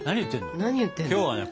何言ってんの？